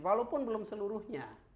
walaupun belum seluruhnya